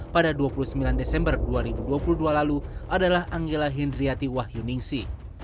pada dua puluh sembilan desember dua ribu dua puluh dua lalu adalah anggila hindriati wahyuningsi